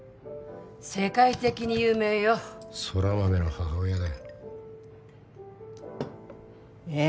世界的に有名よ空豆の母親だよえっ？